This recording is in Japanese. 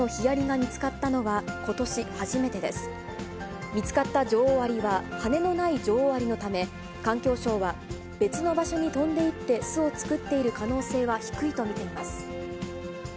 見つかった女王アリは、羽のない女王アリのため、環境省は、別の場所に飛んでいって巣を作っている可能性は低いと見ています。